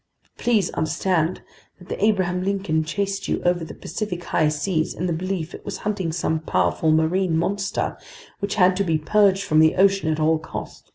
But please understand that the Abraham Lincoln chased you over the Pacific high seas in the belief it was hunting some powerful marine monster, which had to be purged from the ocean at all cost."